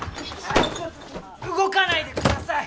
動かないでください。